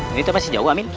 ini tuh masih jauh amin